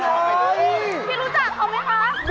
พี่รู้จักเขาไหมคะ